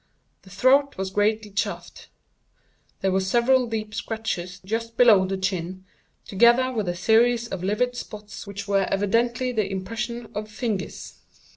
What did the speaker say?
The throat was greatly chafed. There were several deep scratches just below the chin, together with a series of livid spots which were evidently the impression of fingers.